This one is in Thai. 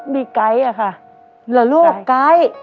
มีไก๊อะค่ะ